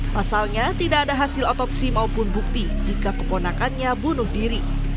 pasalnya tidak ada hasil otopsi maupun bukti jika keponakannya bunuh diri